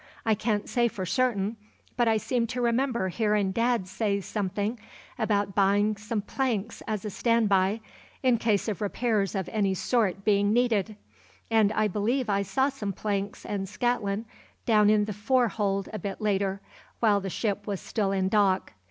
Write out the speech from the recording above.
"I can't say for certain, but I seem to remember hearin' Dad say something about buyin' some planks as a stand by in case of repairs of any sort bein' needed; and I believe I saw some planks and scantlin' down in the fore hold a bit later, while the ship was still in dock.